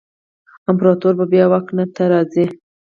امپراتور به بیا واک ته راځي.